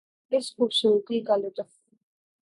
اس خوبصورتی کا لطف